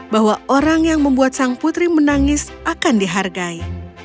bahwa orang yang membuat sang putri menangis akan dihargai